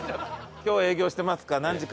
「今日営業してますか？」